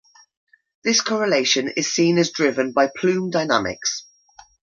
This correlation is seen as driven by plume dynamics.